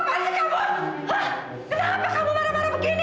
kenapa kamu marah marah begini